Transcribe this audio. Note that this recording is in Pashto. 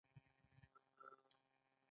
دوی د پانګوالو له لوري استثمارېږي